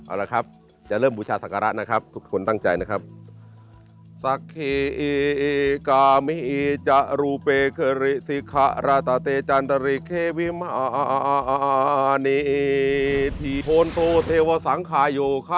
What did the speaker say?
เอาละครับจะเริ่มบูชาศักระนะครับทุกคนตั้งใจนะครับ